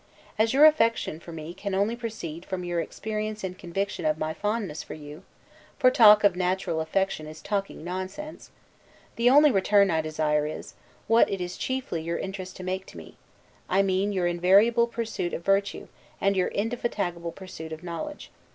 As your affection for me can only proceed from your experience and conviction of my fondness for you (for to talk of natural affection is talking nonsense), the only return I desire is, what it is chiefly your interest to make me; I mean your invariable practice of virtue, and your indefatigable pursuit of knowledge.